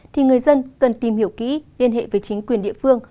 thì người dân cần tìm hiểu kỹ liên hệ với chính quyền địa phương